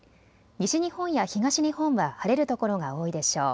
西日本や東日本は晴れるところが多いでしょう。